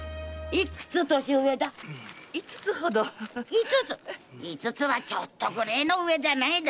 五つ⁉五つは“ちょっと”ぐらいの上じゃねえだ。